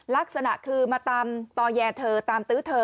ลักษณะคือมาตามต่อแย่เธอตามตื้อเธอ